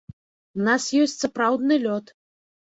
У нас ёсць сапраўдны лёд.